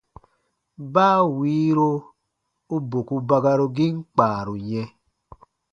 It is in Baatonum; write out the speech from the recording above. Baa wiiro u boku bakarugiin kpaaru yɛ̃.